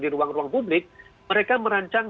di ruang ruang publik mereka merancang